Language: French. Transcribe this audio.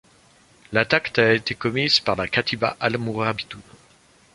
L'attaque a été commise par la katiba Al-Mourabitoune.